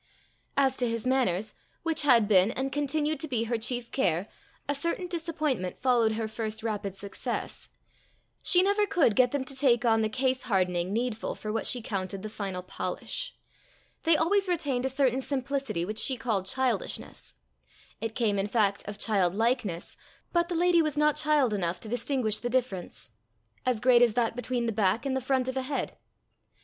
As to his manners, which had been and continued to be her chief care, a certain disappointment followed her first rapid success: she never could get them to take on the case hardening needful for what she counted the final polish. They always retained a certain simplicity which she called childishness. It came in fact of childlikeness, but the lady was not child enough to distinguish the difference as great as that between the back and the front of a head.